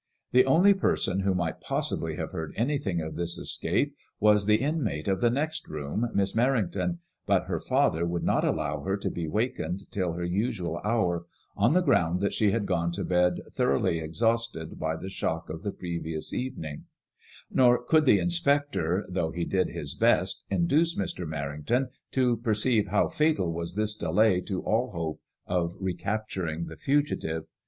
The only person who might possibly have heard anything of this escape was the inmate of the next room, Miss Merrington, but her father would not allow her to be wakened till her usual hour, on the ground that she had gone to bed thoroughly exhausted by the ^ MADRMOISBLLB IXB. I79 shock of the previous evening ; nor could the inspector, though he did his best, induce Mr. Mer rington to perceive how fatal was this delay to all hope of recap turing the fugitive.